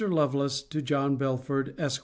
LOVELACE, TO JOHN BELFORD, ESQ.